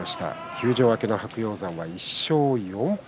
休場明けの白鷹山は１勝４敗。